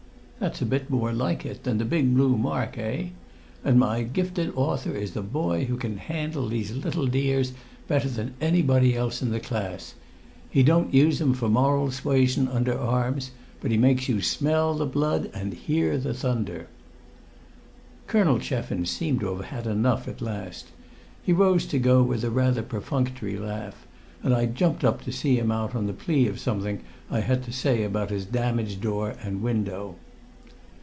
"That's a bit more like it than the big blue mark, eh? And my gifted author is the boy who can handle these little dears better than anybody else in the class; he don't only use 'em for moral suasion under arms, but he makes you smell the blood and hear the thunder!" Colonel Cheffins seemed to have had enough at last; he rose to go with rather a perfunctory laugh, and I jumped up to see him out on the plea of something I had to say about his damaged door and window.